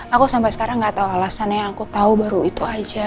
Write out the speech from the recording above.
aku sampai sekarang gak tau alasannya aku tau baru itu aja